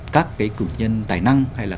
các cái cựu nhân tài năng hay là